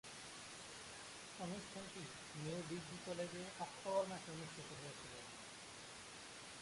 অনুষ্ঠানটি New Degree কলেজে October মাসে অনুষ্ঠিত হয়েছিলো।